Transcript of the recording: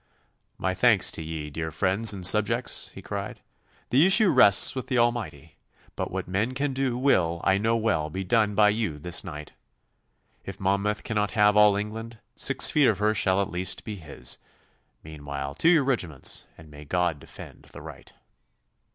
'My thanks to ye, dear friends and subjects,' he cried. 'The issue rests with the Almighty, but what men can do will, I know well, be done by you this night. If Monmouth cannot have all England, six feet of her shall at least be his. Meanwhile, to your regiments, and may God defend the right!